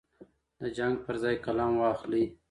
د جنګ پر ځای قلم واخلئ.